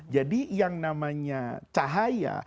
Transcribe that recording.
jadi yang namanya cahaya